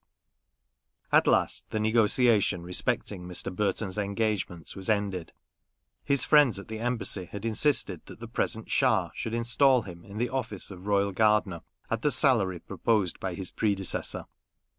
At last the negotiation respecting Mr. Burton's engagement was ended. His friends at the Embassy had insisted that the present Schah should install him in the office of royal gardener at the salary proposed by his predecessor.